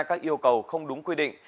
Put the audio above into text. các yêu cầu không đúng quy định